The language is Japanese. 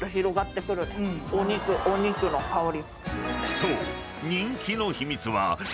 ［そう］